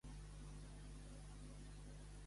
Per contra, Sonata No.